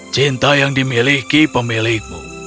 cinta yang dimiliki pemilikmu